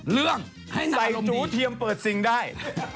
ใส่จูเทียมเปิดซิงได้